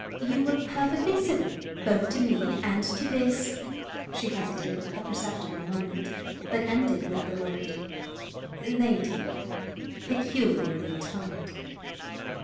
You were perfectly civil both to me and to this " she hesitated a perceptible moment, but ended with the word "lady," peculiarly toned.